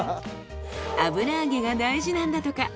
油揚げが大事なんだとか。